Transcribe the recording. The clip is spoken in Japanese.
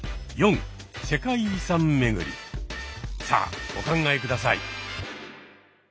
さあお考え下さい。